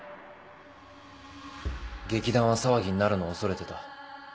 ⁉劇団は騒ぎになるのを恐れてた。